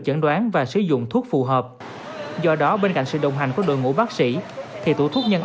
chẩn đoán và sử dụng thuốc phù hợp do đó bên cạnh sự đồng hành của đội ngũ bác sĩ thì tủ thuốc nhân